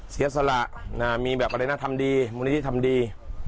เสียสละมีแบบอะไรนะทำดีมูลนิธิทำดี